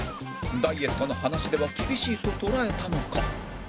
ダイエットの話では厳しいと捉えたのか